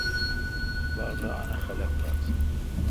باڑ ران اؘ خلق آس ۔